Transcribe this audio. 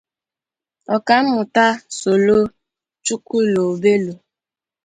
Ọkammụta Solo Chukwulobelu